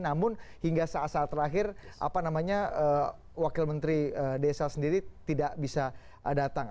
namun hingga saat saat terakhir wakil menteri desa sendiri tidak bisa datang